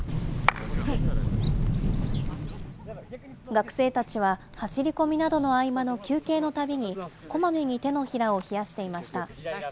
学生たちは走り込みなどの合間の休憩のたびに、こまめに手のひらを冷やしていました。